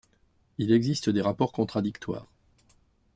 Il existe des rapports contradictoires.